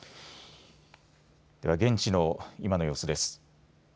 では、現地の今の様子です。